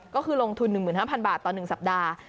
ก็คือลงทุน๑๕๐๐บาทต่อ๑สัปดาห์